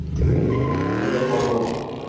Go’yo qor bor